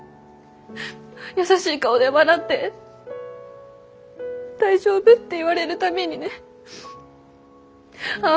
優しい顔で笑って大丈夫って言われる度にねああ